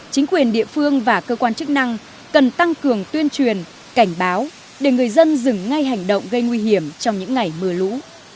chính quyền địa phương và cơ quan chức năng cần tăng cường tuyên truyền cảnh báo để người dân dừng ngay hành động gây nguy hiểm trong những ngày mưa lũ